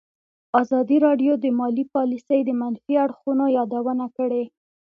ازادي راډیو د مالي پالیسي د منفي اړخونو یادونه کړې.